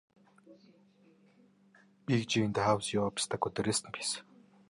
Яах аргагүй Галдангийн дэргэд тэгш өнцөгт чулууны хажууд өндөр гэгээн зогсож байв.